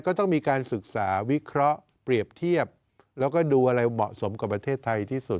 ก็ต้องมีการศึกษาวิเคราะห์เปรียบเทียบแล้วก็ดูอะไรเหมาะสมกับประเทศไทยที่สุด